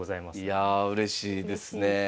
いやあうれしいですねえ。